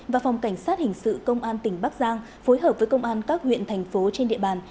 và phòng cảnh sát hình sự công an tỉnh bắc giang phối hợp với công an các huyện thành phố trên địa bàn